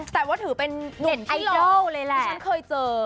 แต่ว่าถือเป็นหนุ่มที่เราเคยเจอ